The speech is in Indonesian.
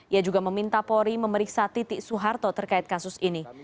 ia juga meminta polri memeriksa titik soeharto terkait kasus ini